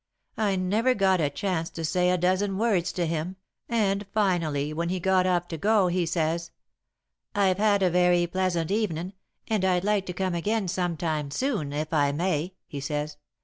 I never got a chance to say a dozen words to him, and finally, when he got up to go, he says: 'I've had a very pleasant evenin', and I'd like to come again sometime soon, if I may,' he says.